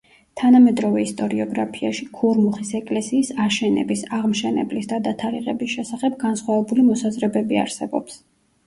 თანამედროვე ისტორიოგრაფიაში ქურმუხის ეკლესიის აშენების, აღმშენებლის და დათარიღების შესახებ განსხვავებული მოსაზრებები არსებობს.